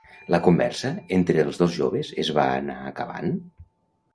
La conversa entre els dos joves es va anar acabant?